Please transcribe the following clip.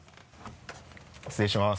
失礼します。